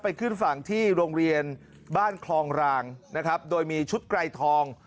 ขึ้นฝั่งที่โรงเรียนบ้านคลองรางนะครับโดยมีชุดไกรทอง